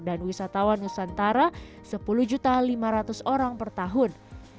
dan mencapai sepuluh lima ratus orang per tahun